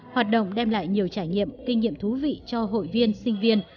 hoạt động đem lại nhiều trải nghiệm kinh nghiệm thú vị cho hội viên sinh viên